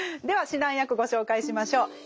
では指南役ご紹介しましょう。